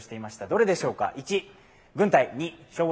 どれでしょうか？